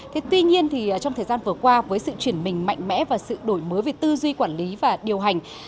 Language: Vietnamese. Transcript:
thế tuy nhiên thì trong thời gian vừa qua với sự chuyển mình mạnh mẽ và sự đổi mới về tư duy quản lý và điều hành